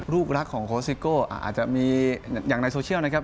ลูกรักของโคสิโก้อาจจะมีอย่างในโซเชียลนะครับ